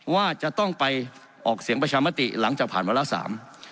ว่าจะต้องไปออกเสียงประชามติหลังจากผ่านวาระสาม